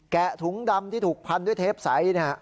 ถุงดำที่ถูกพันด้วยเทปใส